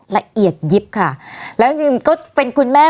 ละเอียดยิบค่ะและจริงก็ไปคุณแม่